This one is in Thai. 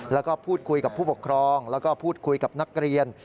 แล้วก็พูดคุยกับผู้ปกครองแล้วก็พูดคุยกับนักเรียน